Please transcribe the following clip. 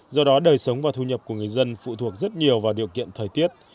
do đó đời sống và thu nhập của người dân phụ thuộc rất nhiều vào điều kiện thời tiết